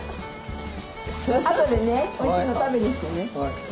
あとでねおいしいの食べに来てね。